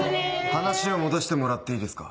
話を戻してもらっていいですか？